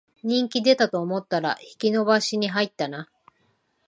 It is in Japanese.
人気出たと思ったら引き延ばしに入ったな